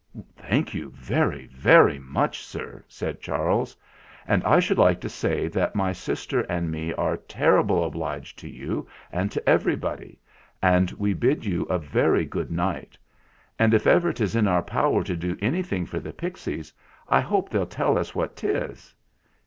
"Thank you very, very much, sir," said Charles ; "and I should like to say that my sis ter and me are terrible obliged to you and to everybody, and we bid you a very good night; and if ever 'tis in our power to do anything for the pixies, I hope they'll tell us what 'tis."